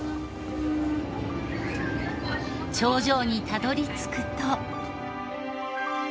頂上にたどり着くと。